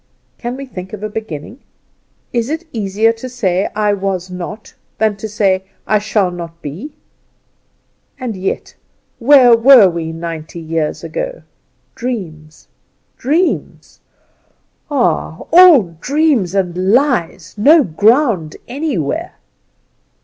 Can we think of a beginning? Is it easier to say 'I was not' than to say 'I shall not be'? And yet, where were we ninety years ago? Dreams, dreams! Ah, all dreams and lies! No ground anywhere."